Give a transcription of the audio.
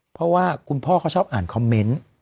เพราะว่าคุณพ่อเขาชอบอ่านคอมเมนต์